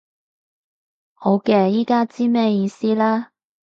好嘅，依家知咩意思啦